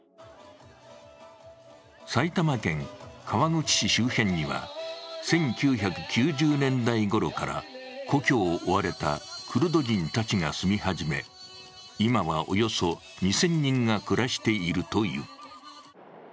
埼玉県川口市周辺には、１９９０年代ごろから故郷を追われたクルド人たちが住み始め、今はおよそ２０００人が暮らしているという。